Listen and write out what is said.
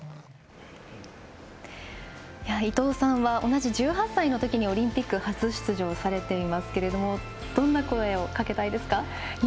伊藤さんは同じ１８歳のときにオリンピック初出場されていますけれどもどんな声をかけたいですか？